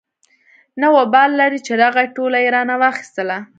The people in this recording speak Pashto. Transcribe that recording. نه وبال لري چې راغی ټوله يې رانه واخېستله.